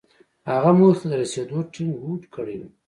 هغه موخې ته د رسېدو ټينګ هوډ کړی و.